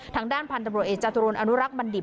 ทางด้านพันธุ์ตำรวจเอกจตุรนอนุรักษ์บัณฑิต